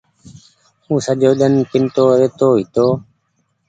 او سجو ۮن پينتو رهيتو هيتو۔